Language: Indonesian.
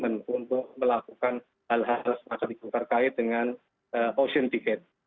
dan kita juga sudah melakukan komitmen untuk melakukan hal hal semacam itu terkait dengan ocean decade